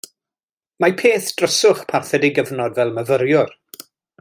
Mae peth dryswch parthed ei gyfnod fel myfyriwr.